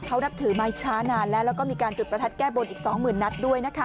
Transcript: เขานับถือมาช้านานแล้วแล้วก็มีการจุดประทัดแก้บนอีก๒๐๐๐นัดด้วยนะคะ